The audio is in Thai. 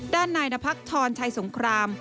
ด้านนายนพักทรชัยสงคราม